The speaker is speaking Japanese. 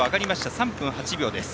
３分８秒です。